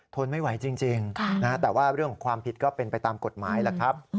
ทนไม่ไหวจริงแต่ว่าเรื่องของความผิดก็เป็นไปตามกฎหมายแหละครับ